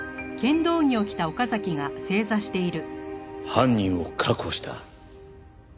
犯人を確保した。